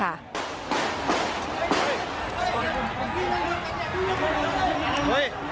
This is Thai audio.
หน้าไปทางนู้นมาก